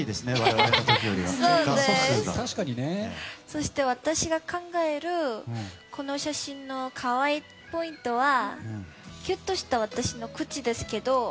そして私が考えるこの写真の可愛いポイントはキュッとした私の口です。